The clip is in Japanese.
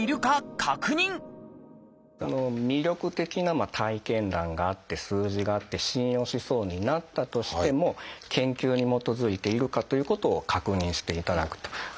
魅力的な体験談があって数字があって信用しそうになったとしても研究に基づいているかということを確認していただくと。